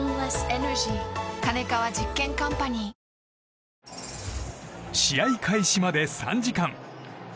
あ試合開始まで３時間。